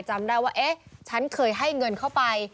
จำได้ว่าเอ๊ะฉันเคยให้เงินเข้าไป